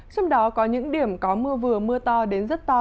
trong đó có những điểm có mưa vừa mưa to đến rất to